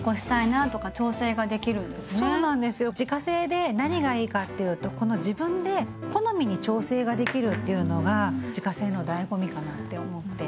自家製で何がいいかっていうとこの自分で好みに調整ができるっていうのが自家製のだいご味かなって思って。